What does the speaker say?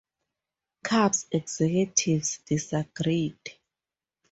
Cubs executives disagreed.